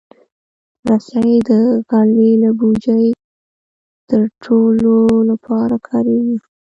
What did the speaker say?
رسۍ د غلې له بوجۍ تړلو لپاره کارېږي.